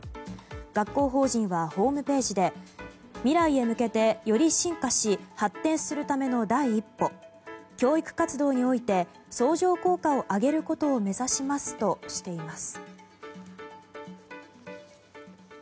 学校法人はホームページで未来へ向けて、より深化し発展するための第一歩教育活動において相乗効果を上げることを目指しますとしています。